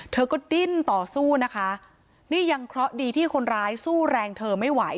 เธอก็ดิ้นต่อสู้นะคะนี่ยังเคราะห์ดีที่คนร้ายสู้แรงเธอไม่ไหว